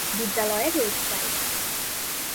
বিদ্যালয়ের ওয়েবসাইট